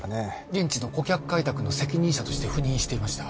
現地の顧客開拓の責任者として赴任していました